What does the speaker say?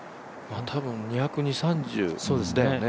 多分２２０２３０だよね。